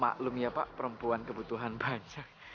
maklum ya pak perempuan kebutuhan pajak